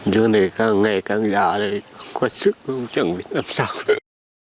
giờ này ngày càng già không có sức chẳng biết làm sao nữa